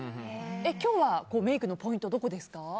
今日のメイクのポイントはどこですか？